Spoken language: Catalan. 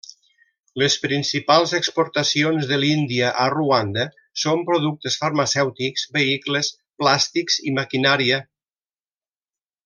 Les principals exportacions de l'Índia a Ruanda són productes farmacèutics, vehicles, plàstics i maquinària.